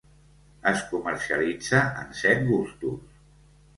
Es comercialitza en set gustos.